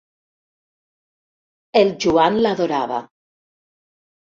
El Joan l'adorava.